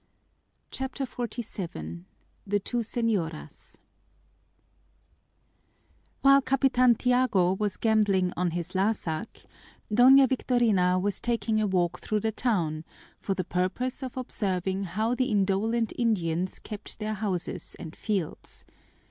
CHAPTER XLVII The Two Señoras While Capitan Tiago was gambling on his lásak, Doña Victorina was taking a walk through the town for the purpose of observing how the indolent Indians kept their houses and fields.